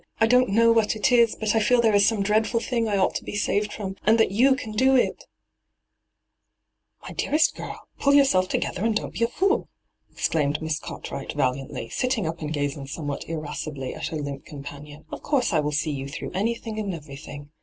' I don't know what it is, but I feel there is some dreadful thing I ought to be saved &om, and that yoa can do it t' ' My dearest girl, pull yourself together, and don't be a fool I' exclaimed Miss Cart wright valiantly, sitting up and gazing some what irascibly at her limp companion. * Of course I will see you through anything and everything.